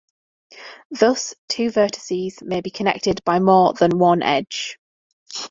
Thus two vertices may be connected by more than one edge.